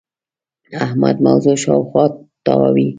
احمد موضوع شااوخوا تاووې.